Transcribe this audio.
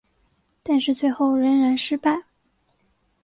但是最后仍然失败。